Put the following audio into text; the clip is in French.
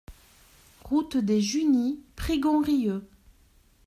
Route des Junies, Prigonrieux